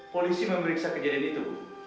polisi memeriksa kejadian itu